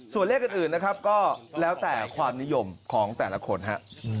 ส่วนเลขอื่นนะครับก็แล้วแต่ความนิยมของแต่ละคนฮะ